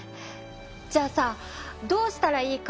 じゃあさどうしたらいいか？